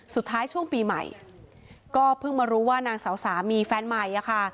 ช่วงปีใหม่ก็เพิ่งมารู้ว่านางสาวสามีแฟนใหม่อะค่ะ